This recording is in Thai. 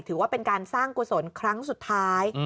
ถือว่าเป็นการสร้างกุศลครั้งสุดท้าย